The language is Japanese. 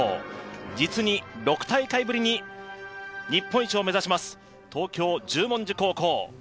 実に６大会ぶりに日本一を目指します東京・十文字高校。